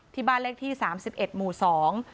ที่บ้านเลขที่สามสิบเอ็ดหมู่สอง